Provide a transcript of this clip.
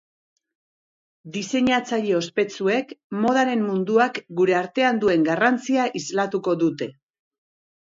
Diseinatzaile ospetsuek modaren munduak gure artean duen garrantzia islatuko dute.